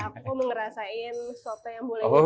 berarti aku ngerasain soto yang boleh ngutang